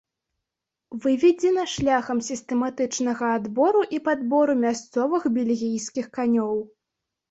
Выведзена шляхам сістэматычнага адбору і падбору мясцовых бельгійскіх канёў.